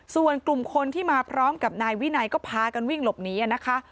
ส่วนกลุ่มคนที่มาพร้อมกับนายวินัยก็พากันวิ่งหลบหนีนะคะ